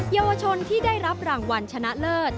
เยาวชนที่ได้รับรางวัลชนะเลิศ